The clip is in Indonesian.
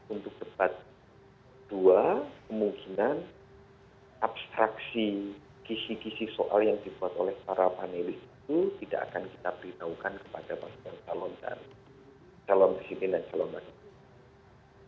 untuk debat dua kemungkinan abstraksi kisi kisi soal yang dibuat oleh para panelis itu tidak akan kita beritahukan kepada pasangan calon presiden dan calon wakil presiden